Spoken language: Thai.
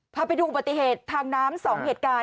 พาไปดูปฏิเหตุทางน้ำสองเหตุการณ์